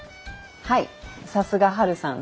はいさすがハルさん